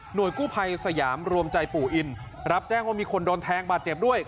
โดยกู้ภัยสยามรวมใจปู่อินรับแจ้งว่ามีคนโดนแทงบาดเจ็บด้วย